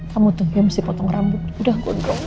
kamu tuh dia mesti potong rambut udah gondong